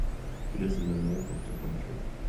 It is in the north of the country.